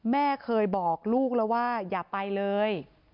แม่เคยบอกลูกแล้วว่าอย่าไปเลย